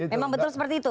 memang betul seperti itu